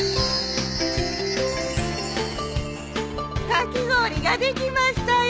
かき氷ができましたよ！